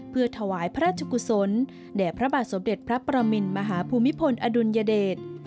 เพื่อถวายพระราชกุศลแด่พระบาทสมเด็จพระประมินมหาภูมิพลอดุลยเดช